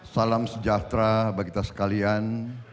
salam sejahtera bagi kita sekalian